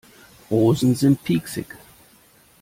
Rosen sind pieksig.